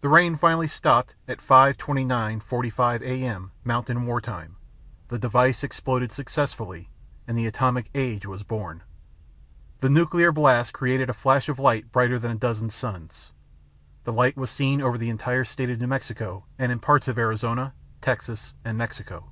The rain finally stopped and at 5:29:45 a.m. Mountain War Time, the device exploded successfully and the Atomic Age was born. The nuclear blast created a flash of light brighter than a dozen suns. The light was seen over the entire state of New Mexico and in parts of Arizona, Texas, and Mexico.